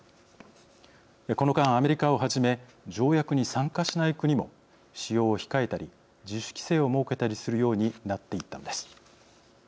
この間アメリカをはじめ条約に参加しない国も使用を控えたり自主規制を設けたりするようになっていったのです。